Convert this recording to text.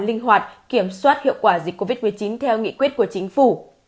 linh hoạt kiểm soát hiệu quả dịch covid một mươi chín theo nghị quyết của chính phủ